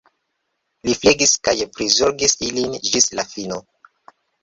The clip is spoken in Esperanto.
Mi flegis kaj prizorgis ilin ĝis la fino.